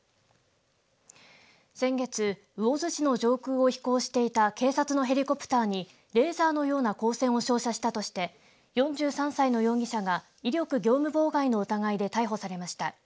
先月、魚津市の上空を飛行していた警察のヘリコプターにレーザーのような光線を照射したとして４３歳の容疑者が威力業務妨害の疑いで逮捕されました。